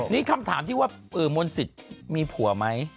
นี่คำถามที่ว่ามนต์สิทธิ์มีผัวไหม